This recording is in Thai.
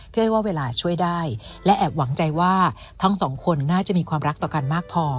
อ้อยว่าเวลาช่วยได้และแอบหวังใจว่าทั้งสองคนน่าจะมีความรักต่อกันมากพอ